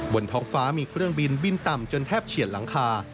บนท้องฟ้ามีเครื่องบินบินต่ำจนแทบเฉียดหลังคา